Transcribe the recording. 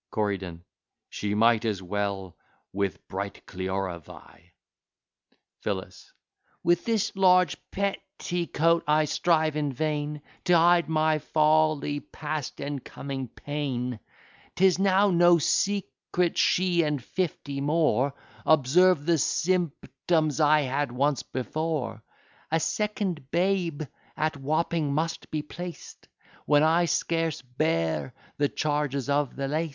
CORYDON She might as well with bright Cleora vie. PHILLIS With this large petticoat I strive in vain To hide my folly past, and coming pain; 'Tis now no secret; she, and fifty more, Observe the symptoms I had once before: A second babe at Wapping must be placed, When I scarce bear the charges of the last.